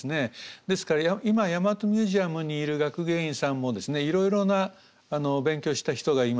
ですから今大和ミュージアムにいる学芸員さんもですねいろいろなお勉強した人がいます。